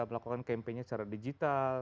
melakukan campaignnya secara digital